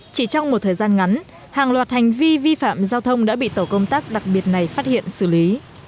chỉ trong một thời gian ngắn hàng loạt hành vi vi phạm giao thông đã bị tổ công tác đặc biệt này phát hiện xử lý